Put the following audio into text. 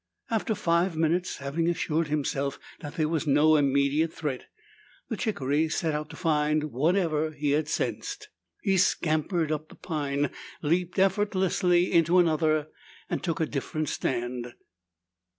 After five minutes, having assured himself that there was no immediate threat, the chickaree set out to find whatever he had sensed. He scampered up the pine, leaped effortlessly into another, and took a different stand.